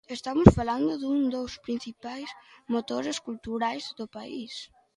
Estamos falando dun dos principais motores culturais do país.